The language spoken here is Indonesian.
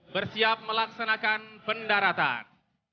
bersiap melaksanakan pendaratan